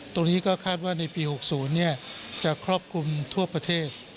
ตรงนี้ก็คาดว่าในปี๖๐จะครอบคลุมทั่วประเทศ